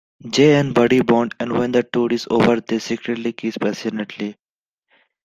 Jay and Buddy bond, and when the tour is over they secretly kiss passionately.